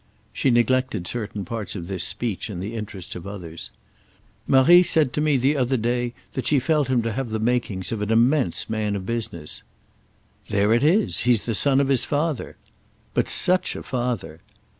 She neglected certain parts of this speech in the interest of others. "Marie said to me the other day that she felt him to have the makings of an immense man of business." "There it is. He's the son of his father!" "But such a father!"